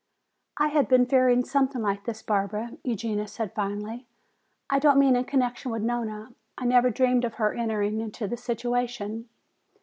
"I had been fearing something like this, Barbara," Eugenia said finally. "I don't mean in connection with Nona. I never dreamed of her entering into the situation.